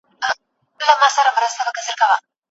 توزیع د توکو عادلانه ویش ته لارښوونه کوي.